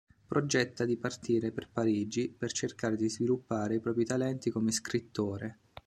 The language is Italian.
Progetta di partire per Parigi, per cercar di sviluppare i propri talenti come scrittore.